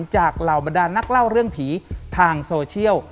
เหล่าบรรดานนักเล่าเรื่องผีทางโซเชียล